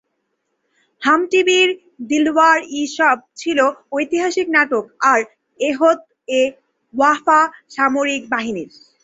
হাম টিভির "দিওয়ার-ই-শব" ছিলো ঐতিহাসিক নাটক আর "এহদ-এ-ওয়াফা" সামরিক বাহিনীর।